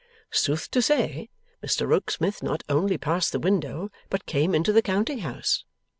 Sooth to say, Mr Rokesmith not only passed the window, but came into the counting house.